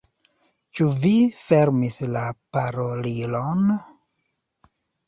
Ĉu vi fermis la parolilon?